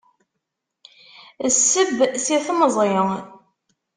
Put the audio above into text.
Sseb si temẓi.